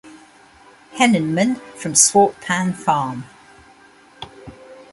Hennenman, from Swartpan Farm.